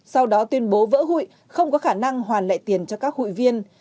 sau đó tuyên bố vỡ hụi không có khả năng hoàn lại tiền cho các hụi viên